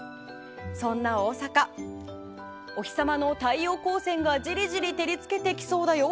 そんな大阪、お日様の太陽光線がじりじり照り付けてきそうだよ。